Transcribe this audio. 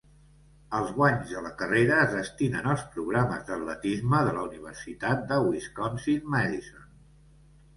Els guanys de la carrera es destinen als programes d'atletisme de la Universitat de Wisconsin-Madison.